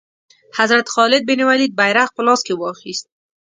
حضرت خالد بن ولید بیرغ په لاس کې واخیست.